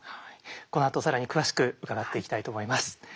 このあと更に詳しく伺っていきたいと思います。